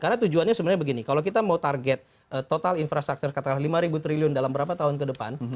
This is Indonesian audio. karena tujuannya sebenarnya begini kalau kita mau target total infrastructure katakanlah lima triliun dalam berapa tahun ke depan